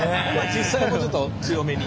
実際もうちょっと強めに？